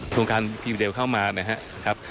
โครงการพีเดลเข้ามานะครับ